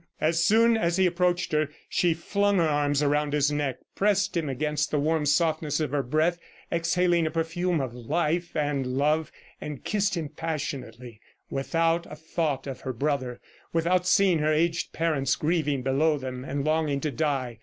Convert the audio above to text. As soon as he approached her, she flung her arms around his neck, pressed him against the warm softness of her breast, exhaling a perfume of life and love, and kissed him passionately without a thought of her brother, without seeing her aged parents grieving below them and longing to die.